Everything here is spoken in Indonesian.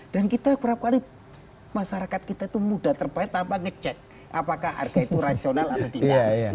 dan kita berapa kali masyarakat kita itu mudah terbaik tanpa ngecek apakah harga itu rasional atau tidak